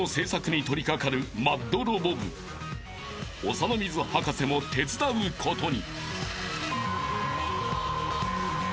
［長の水博士も手伝うことに］